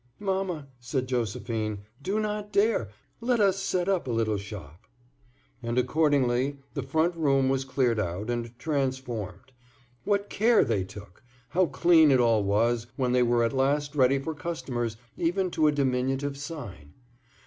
"Mamma," said Josephine, "do not dare! Let us set up a little shop." And accordingly the front room was cleared out and transformed. What care they took! How clean it all was when they were at last ready for customers, even to a diminutive sign.